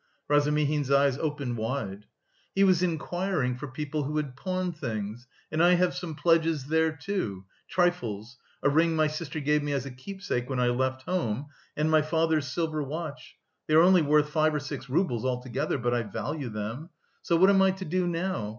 Razumihin's eyes opened wide. "He was inquiring for people who had pawned things, and I have some pledges there, too trifles a ring my sister gave me as a keepsake when I left home, and my father's silver watch they are only worth five or six roubles altogether... but I value them. So what am I to do now?